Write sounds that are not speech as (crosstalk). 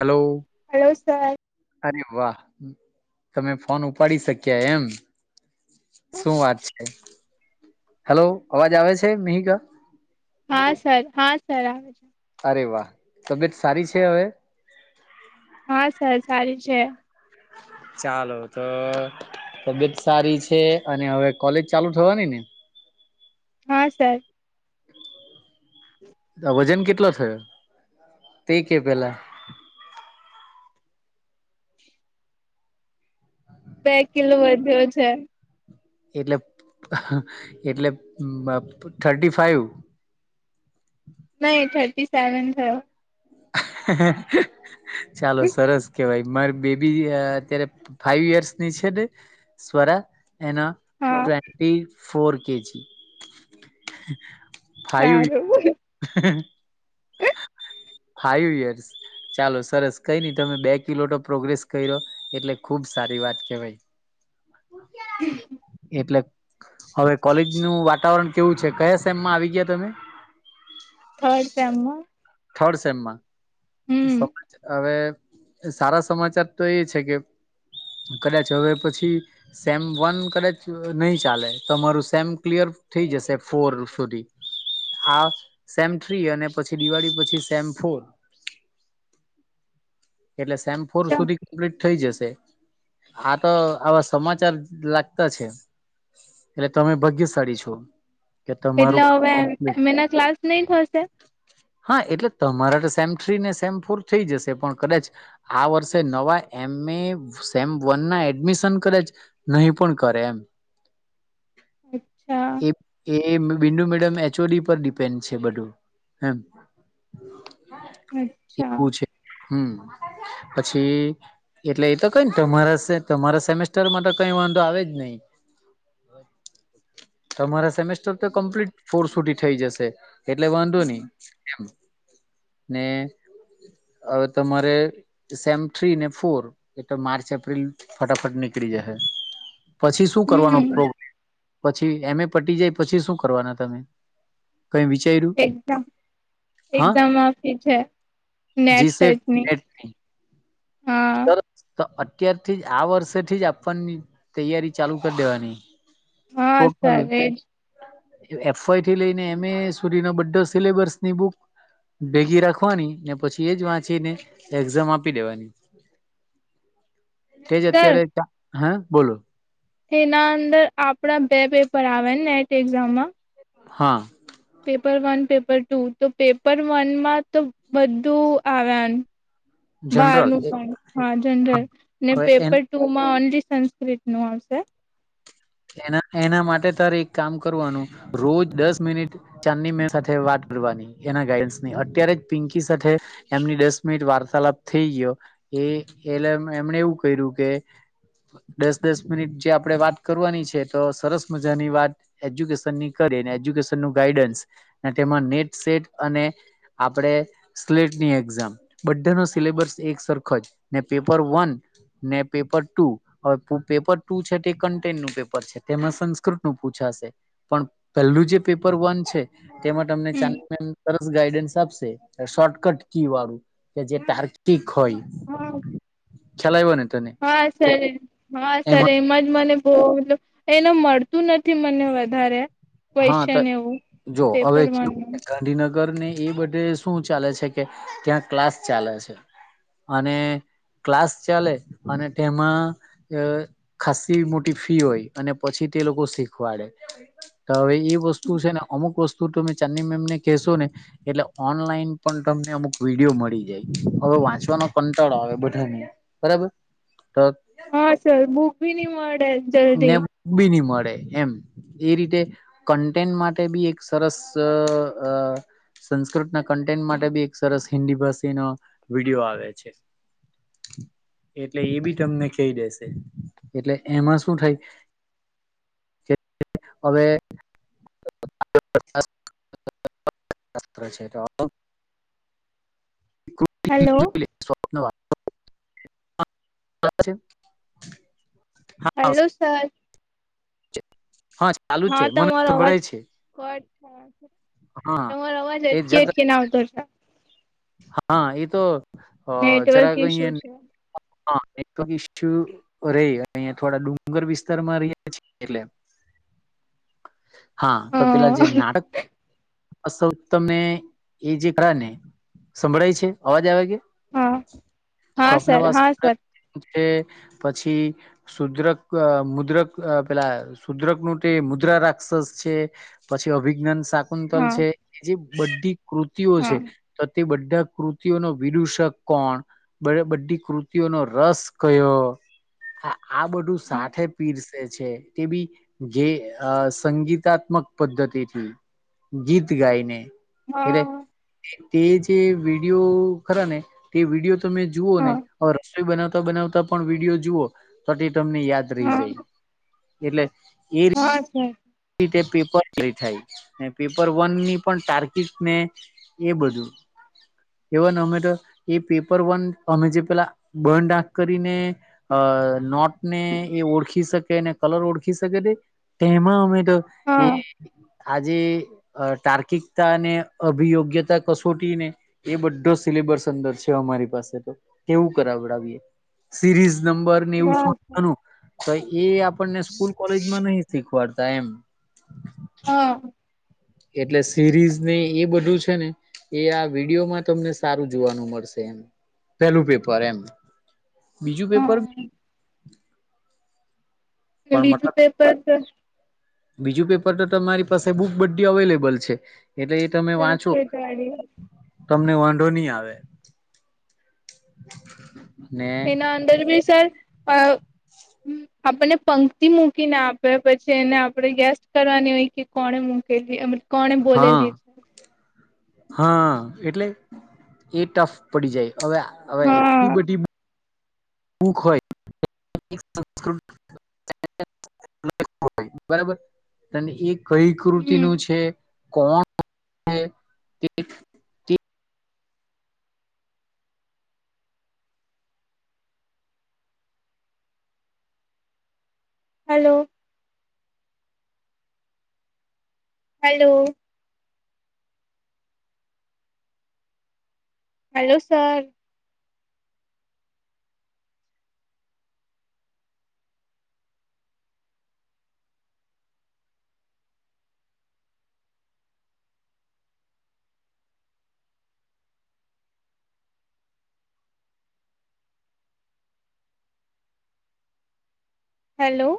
Hello hello સરાર અરે વાહ તમે ફોન ઉપાડી શક્યા એમ શું વાત છે હેલો અવાજ આવે છે મિહિકા હા સર હા સર આવે છે વા તબિયત સારી છે હવે હા સર સારી છે ચાલો તો તબિયત સારી છે અને હવે કોલેજ ચાલુ થવાની ને હા સરાર વજન કેટલો થયો તે કે પેલા બે કિલો વધ્યો છે એટલે એટલે થર્ટી ફાઈવ (inaudible) નહી થર્ટી સેવન થયો ચાલો સરસ કેવાય મારી બેબી અત્યારે ફાઈવ યર્સની છે ને સ્વરા એના હા ટવે ફોર કેજી ફાઈ સારું ફાઈવ યર્સ ચાલો સરસ કઈ નહી તમે બે કિલોટો પ્રોગ્રેસ કર્યો એટલે ખુબ સારી વાત કેવઈ એટલે અવે કોલેજનું વાતાવરણ કેવું છે? કયા સેમમાં આવી ગયા તમે? થર્ડ સેમમાં થર્ડ સેમમાં હમ (unintelligible) અવે સારા સમાચાર તો એ છે કે કદાચ અવે પછી સેમ વન કદાચ નઈ ચાલે તમારું સેમ ક્લિયર થઈ જશે ફોર સુધી આ સેમ થ્રી અને પછી દિવાળી પછી શેમ ફો એટલે સેમ ફોર સુધી ક્પ્લીટ થઈ જશે, હા તો આવા સમાચાર લાગતા છે. એટલે તમે ભગ્યશાળી છો. કે એટલે તમારું હવે એમ એના ક્લાસ નહી થશે (unintelligible) હા એટલે તમારા તો સેમ થ્રી ને સેમ ફોર થઈ જશે પણ કદાચ આ વર્ષે નવા એમ એ સેમ વનના એડમિશન કદાચ નઈ પણ કરે એમ અચ્છા. Bindu madam H O D પર ડિપેન્ડ છે બઢુ એમ. અચ્છા. હમ્મ. પછી એટલે એ તો કઈની તમારા સે તમારા સેમેસ્ટર મા ટો કઈ વાંધો આવે જ નઈ (inaudible) તમારા સેમેસ્ટર તો કમ્પ્લીટ ફોર સુઢી ઠઈ જશે એટલે વાંધો ની એમ. ને અવે તમારે સેમ થ્રી ને ફોર એટલે માર્ચ એપ્રિલ ફટાફટ નીકળી જહે પછી શું કરવાનો હમ પ્રોગ પછી એમ એ પટી જાય પછી શું કરવાના તમે? કંઈ વિચાયરુ? એકઝામ આપી છે નેટ જી સેટ સેટની. નેટ ની હા સરસ તો અત્યારથી જ આ વર્ષેથી જ આપવાની તૈયારી ચાલુ કર દેવાની હા સર એજ. એફ વાયથી લેઈને એમ એ સુધીનો બઢો સિલેબસની બુક ભેગી રાખવાની ને પછી એજ વાંચીને એક્ઝામ આપી ડેવાની. તેજ અત્યારે (unintelligible) હેં બોલો. તેના અંદર આપણા બે પેપર આવેન નેટ એક્ઝામમાં? હાં. પેપર વન, પેપર ટુ, તો પેપર વનમાં તો વધું આવ્યા. જનરલ બારનુ પણ હા જનરલ ને હવે એન પેપર ટુમાં ઓનલી સંસ્કૃતનું આવશે. એના એના માટે તારે એક કામ કરવાનું, રોજ દસ મિનિટ ચાંદની મેમ સાથે વાત કરવાની એના ગાઈડન્સની અત્યારે જ પિંકી સાથે એમની દસ મિનિટ વાર્ત તાલાપ થેઈ ગયો એ એલે એમને એવું કયરુ કે દસ દસ મિનિટ જે આપડે વાત કરવાની છે તો સરસ મજાની વાત એજ્યુકેશનની કરી અને એજ્યુકેશનનુ ગાઈડન્સ ને આમા નેટ સેટ અને આપણે સ્લેટની એક્ઝામ બઢાનો સિલેબસ એક સરખો જ ને પેપર વન ને પેપર ટુ, અવે પુ પેપર ટુ છે તે કન્ટ ટેનનું પેપર છે, તેમાં સંસ્કૃતનું પૂછાશે, પણ પેલ્લું જે પેપર વન છે તે તેમાં ટમને હમ ચાંદ મેમ સરસ ગાઈડન્સ આપશે, શોર્ટકટ કી વારુ કે જે ટાર્કિક હોય. (unintelligible) ખ્યાલ આઈવો ને? તને હા કે સર હા સર એમાં એમ જ મને બહુ એને મળતું નથી મને વધારે હા તો ક્વેશ્ચન એવું જો હવે પેપર હુ વનનું ગાંધીનગર ઘર ને એ બધે શું ચાલે છે કે ક્યાં ક્લાસ ચાલે છે અને ક્લાસ ચાલે અને તેમાં ખાાસસી મોટી ફી હોય અને પછી તે લોકો શીખવાડે. તો હવે એ વસ્તુ છે ને અમુક વસ્તુ તમે ચાંદની મેમને કહેશો ને એટલે ઓનલાઈન પણ તમ ને અમુક વિડીયો મળી જાય હવે વાંચવાનો કંટાળો આવે બધાને બરાબર. તો હા સર બુક ભી નહી મળે. ને જલ્દી બી નઈ મળે. એમ એ રીતે કન્ટેન્ટ માટે બી એક સરસ અ સંસ્કૃતના કન્ટેન્ટ માટે બી એક સરસ હિન્દી ભાષીનો વિડીયો આવે છે. એટલે એ બી તમને કઈ દેશે એટલે એમાં શું શું થાય (inaudible) અવે (inaudible) (inaudible) હેલો (inaudible) (inaudible) હાલો સર હા ચાલુ જ છે હા મને તમારો અવાજ સંભળાય છે કટ હા તમારો અવાજ એ જ અટકી અટકી ને આવતો છે હા એ તો અ નેટવર્ક જરાક (inaudible) ઇસ્યુ છે હા (inaudible) રેય (unintelligible) થોડા ડુંગર વિસ્તારમાં રહ્યે છીએ એટલે (inaudible) હા તો પેલા જે નાટક (inaudible) સંભળાય છે અવાજ આવે કે હા હા સર હા સર (inaudible) એ પછી સુદ્રક મુદ્રક અ પેલા સુદ્રક નું તે મુદ્ર રાક્ષસ છે પછી અભિજ્ઞન શાકુંતલ હા છે એ જે બધી કૃતિઓ હા છે હા તો બધા કૃતિઓ નો વિદુષક કોણ બધી કૃતિઓનો રસ કયો આ બધું સાથે પીરસે છે તે ભી જે અ સંગીતા મક પદ્ધતિથી ગીત ગાઈને એટલે હા તે જે વિડીયો ખરા ને તે વિડીયો તમે જુઓ ને હા ઓર બનાવતા બનાવતા પણ વિડીયો જુઓ તો તે તમને યાદ રઈ જાય હા એટલે હા સર તે પેપર (inaudible) થાય ને પેપર વન ની પણ તાર્કિક ને એ બધું એવા ને અમે તો એ પેપર વન અમે જે પેલા બધ આખ કરીને અ અ નોટ ને એ ઓળખી શકે અને કલર ઓળખી શકે તે તેમાં અમે તો એ હા આજે તાર્કિકતા અને અભિયોગ્યતા કસોટી ને એ બધો સિ (unintelligible) અમારી પાસે તો કેવું (unintelligible) નંબરને હા સર એવું (inaudible) તો એ આપણને સ્કૂલ કોલેજમાં નઈ શીખવાડતા એમ હા એટલે સિરીઝ ને એ બધું છે ને એ આ વિડીયોમાં તમને સારું જોવાનું મળશે એમ પેલું પેપર એમ બીજું પેપર પણ બીજું મતલબ પેપર તો બીજું પેપર તો તમારી પાસે બુક બધી અવેલેબલ છે એટલે એ તમે વાંચો સંસ્કૃત વાળું તમને વાંધો ની આવે ને એના અંદર ભી સર (inaudible) હ આપણને પંક્તિ મૂકીને આપે પછી એને આપડણે ગેસ્ટ કરવાની હોય કે કોણે મૂકેલી કોણે હા બોલેલી હા એટલે એ ટફ પડી જાય અવે અવે હા એટલી બધી (inaudible) (inaudible) બરાબર તને એક કઈ હમ કૃતિનું છે કોણ છે તે હાલો હાલો હાલો સર હાલો